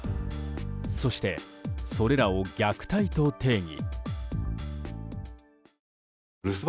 そして、それらを虐待と定義。